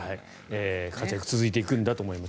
活躍が続いていくんだと思います。